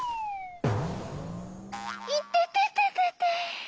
いててててて。